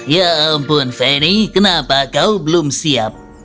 ya ampun fanny kenapa kau belum siap